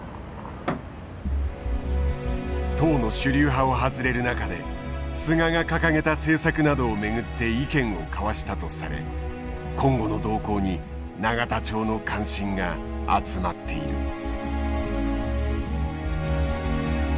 党の主流派を外れる中で菅が掲げた政策などを巡って意見を交わしたとされ今後の動向に永田町の関心が集まっている。